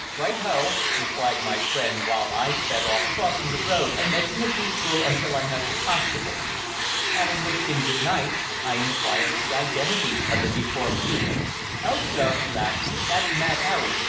"Right ho," replied my friend, while I sped off, crossing the road and making a detour until I met the constable. Having wished him good night, I inquired the identity of the deformed youth. "Oh, sir," he laughed, "that's Mad 'Arry.